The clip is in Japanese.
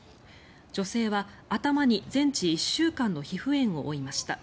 女性は頭に全治１週間の皮膚炎を負いました。